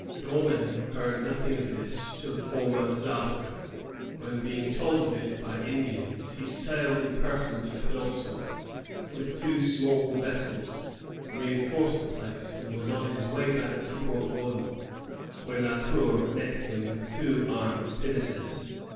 D'Aunay heard nothing of this till four months after, when, being told of it by Indians, he sailed in person to Penobscot with two small vessels, reinforced the place, and was on his way back to Port Royal when La Tour met him with two armed pinnaces.